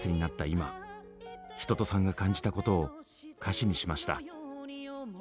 今一青さんが感じたことを歌詞にしました。